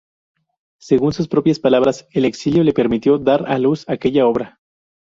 Según sus propias palabras, el exilio le permitió dar a luz aquella obra.